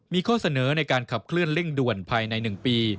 มีข้อเสนอในการขับเคลื่อนเร่งด่วนภายใน๑ปี